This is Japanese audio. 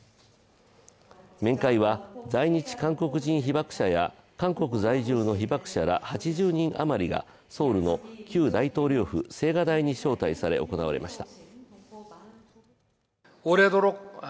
面会は在日韓国人被爆者や韓国在住の被爆者ら８０人余りがソウルの旧大統領府＝青瓦台に招待され行われました。